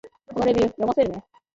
このレビュー、読ませるね